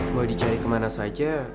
mau dicari kemana saja